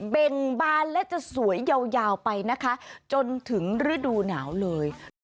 เบ่งบานและจะสวยยาวไปนะคะจนถึงฤดูหนาวเลย